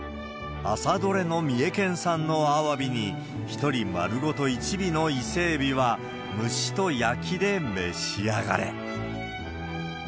朝取れの三重県産のアワビに、１人丸ごと一尾のイセエビは、蒸しと焼きで召し上がれ。